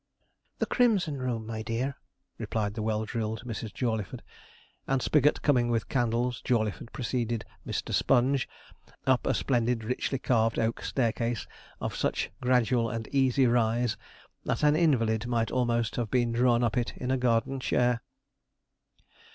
'The crimson room, my dear,' replied the well drilled Mrs. Jawleyford; and Spigot coming with candles, Jawleyford preceded 'Mr. Sponge' up a splendid richly carved oak staircase, of such gradual and easy rise that an invalid might almost have been drawn up it in a garden chair.